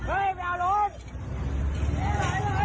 ไอ้โอ้มมึงจะเอากูเปล่า